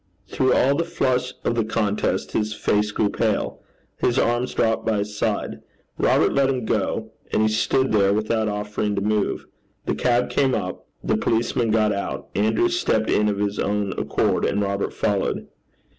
Through all the flush of the contest his face grew pale. His arms dropped by his side. Robert let him go, and he stood there without offering to move. The cab came up; the policeman got out; Andrew stepped in of his own accord, and Robert followed.